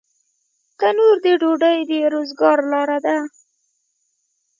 تنور د ډوډۍ د روزګار لاره ده